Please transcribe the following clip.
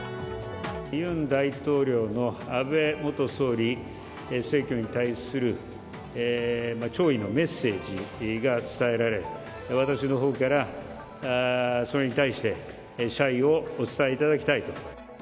尹大統領の安倍元総理の逝去に対する弔意のメッセージが伝えられ私のほうからそれに対して謝意をお伝えいただきたいと。